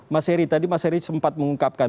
mas heri tadi mas heri sempat mengungkapkan